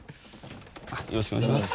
よろしくお願いします。